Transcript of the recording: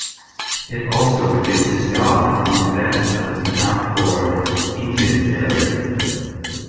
It also reduces yaw in the event of an outboard engine failure.